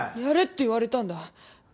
やれって言われたんだ。